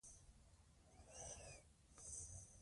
که غازیان نه وای راټول سوي، ماتې به یې خوړلې وه.